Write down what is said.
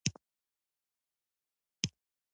په دې لار کې زړه قربان وي تل تر تله.